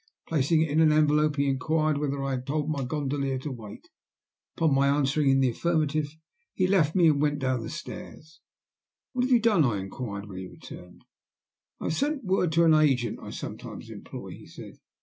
Placing it in an envelope he inquired whether I had told my gondolier to wait. Upon my answering in the affirmative, he left me and went down stairs. "What have you done?" I inquired when he returned. "I have sent word to an agent I sometimes employ," he said.